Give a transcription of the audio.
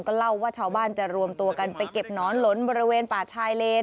ก็เล่าว่าชาวบ้านจะรวมตัวกันไปเก็บหนอนหลนบริเวณป่าชายเลน